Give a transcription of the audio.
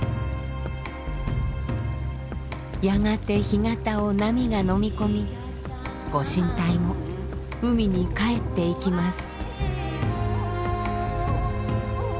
やがて干潟を波がのみ込み御神体も海にかえっていきます。